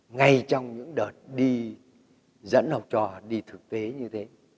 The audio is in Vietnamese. ngay trong những đợt đi dẫn học trò đi thực tế như thế